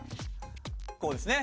こうですね。